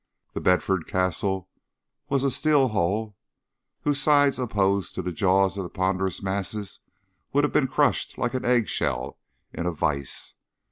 The Bedford Castle was a steel hull whose sides, opposed to the jaws of the ponderous masses, would have been crushed like an eggshell in a vise.